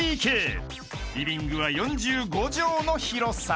［リビングは４５畳の広さ］